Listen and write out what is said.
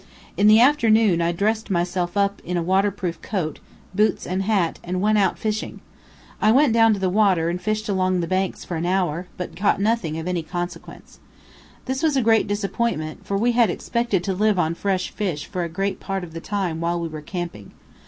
In the afternoon I dressed myself up in water proof coat, boots and hat, and went out fishing. I went down to the water and fished along the banks for an hour, but caught nothing of any consequence. This was a great disappointment, for we had expected to live on fresh fish for a great part of the time while we were camping.